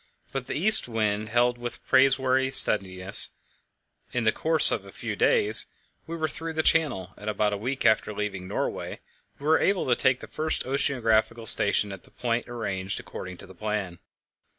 But the east wind held with praiseworthy steadiness. In the course of a few days we were through the Channel, and about a week after leaving Norway we were able to take the first oceanographical station at the point arranged according to the plan.